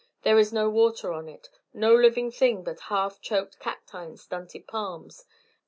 There is no water on it, no living thing but half choked cacti and stunted palms.